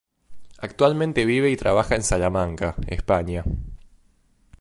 Actualmente vive y trabaja en Salamanca, España.